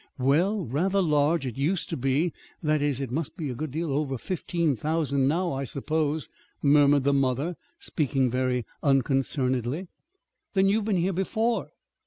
"Why, rather large. It used to be that is, it must be a good deal over fifteen thousand now, I suppose," murmured the mother, speaking very unconcernedly. "Then you've been here before?"